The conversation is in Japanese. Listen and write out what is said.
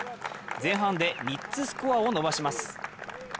前半で３つスコアを伸ばします。